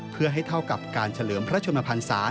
เพื่อให้เท่ากับการเฉลิมพระชนมพันศา